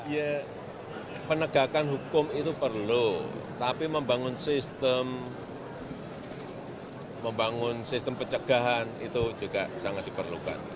ya penegakan hukum itu perlu tapi membangun sistem membangun sistem pencegahan itu juga sangat diperlukan